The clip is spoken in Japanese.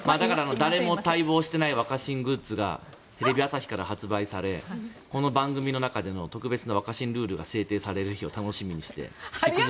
誰も待望してない若新グッズがテレビ朝日から発売されこの番組の中での特別な若新ルールを制定される日を楽しみにして。